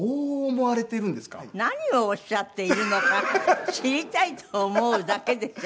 何をおっしゃっているのか知りたいと思うだけですよ